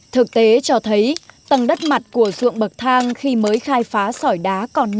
thực tế cho thấy tầng đất mặt của ruộng bậc thang khi mới khai phá sỏi đá nhỏ